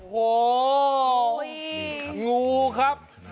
โหงูครับ